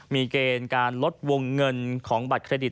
มีเกณฑ์การลดวงเงินของบัตรเครดิต